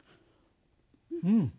うん。